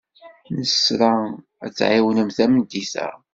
Nesra ad ɣ-tɛiwnemt tameddit-a.